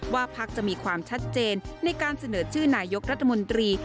พักจะมีความชัดเจนในการเสนอชื่อนายกรัฐมนตรี